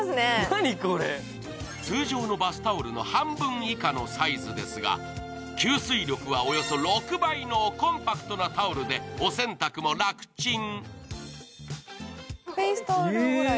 通常のバスタオルの半分以下のサイズですが吸水力はおよそ６倍のコンパクトなタオルでお洗濯も楽ちん。